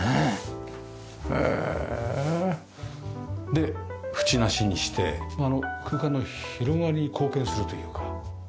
で縁なしにして空間の広がりに貢献するというか。